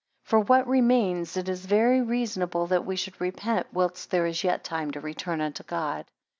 6 For what remains, it is very reasonable that we should repent whilst there is yet time to return unto God.